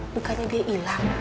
bukannya dia hilang